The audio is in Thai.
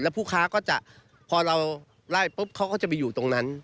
ผู้ค้าก็จะพอเราไล่ปุ๊บเขาก็จะไปอยู่ตรงนั้น